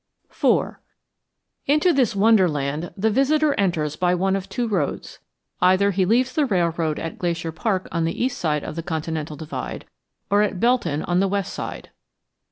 IV Into this wonderland the visitor enters by one of two roads. Either he leaves the railroad at Glacier Park on the east side of the continental divide or at Belton on the west side.